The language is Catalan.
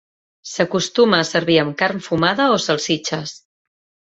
S'acostuma a servir amb carn fumada o salsitxes.